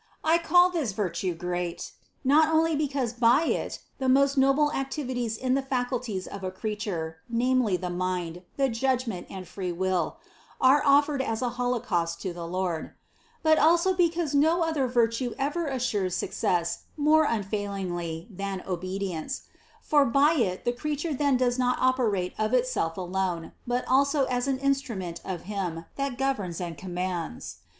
I call this virtue great, not only because by it the most noble activities in the faculties of a creature, namely the mind, the judg ment and free will, are offered as a holocaust to the Lord ; but also because no other virtue ever assures suc cess more unfailingly than obedience ; for by it the crea ture then does not operate of itself alone, but also as an instrument of him that governs and commands.